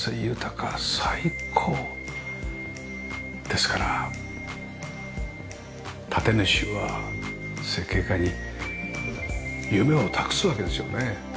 ですから建主は設計家に夢を託すわけですよね。